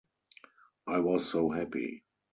I was so happy.